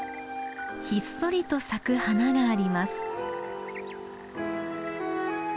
ひっそりと咲く花があります。